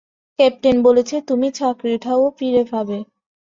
Captain বলেছে তুমি চাকরিটাও ফিরে পাবে।